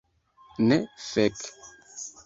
Ne, fek'